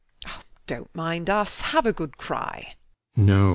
Dont mind us. Have a good cry.